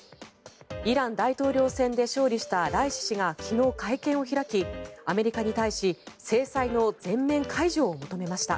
イラン大統領選で勝利したライシ師が昨日、会見を開きアメリカに対し制裁の全面解除を求めました。